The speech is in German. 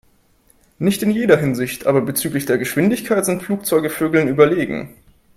Nicht in jeder Hinsicht, aber bezüglich der Geschwindigkeit sind Flugzeuge Vögeln überlegen.